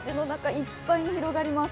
いっぱいに広がります。